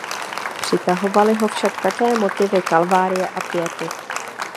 Přitahovaly ho však také motivy kalvárie a piety.